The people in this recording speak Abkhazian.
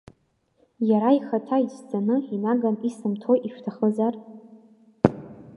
Иара ихаҭа ицәӡаны инаган исымҭои ишәҭахызар…